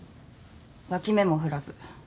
脇目も振らず。